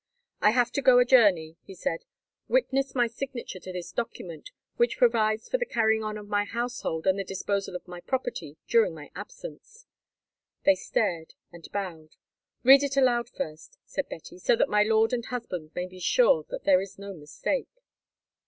"I have to go a journey," he said. "Witness my signature to this document, which provides for the carrying on of my household and the disposal of my property during my absence." They stared and bowed. "Read it aloud first," said Betty, "so that my lord and husband may be sure that there is no mistake."